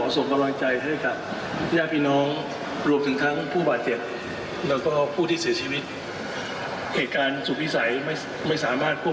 สู่การค้าเสียภารกรเจ้าหน้าที่รัฐ